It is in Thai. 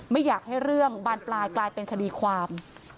ไม่อยากให้เรื่องบานปลายกลายเป็นคดีความ